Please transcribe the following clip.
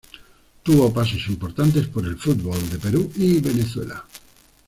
Tuvo pasos importantes por el fútbol de Perú y Venezuela.